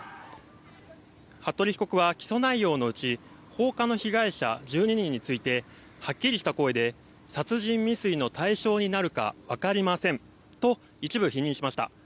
服部被告は起訴内容のうち放火の被害者１２人のうちはっきりした声で殺人未遂の対象になるかわかりませんと一部否認しました。